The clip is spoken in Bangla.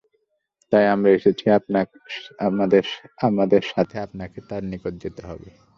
তাই আমরা এসেছি, আমাদের সাথে আপনাকে তার নিকট যেতে হবে।